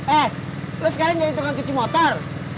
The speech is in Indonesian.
eh lo sekalian jadi tukang cuci motor